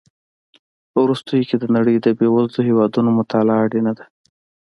په وروستیو کې د نړۍ د بېوزلو هېوادونو مطالعه اړینه ده.